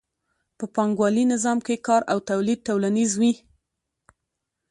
په پانګوالي نظام کې کار او تولید ټولنیز وي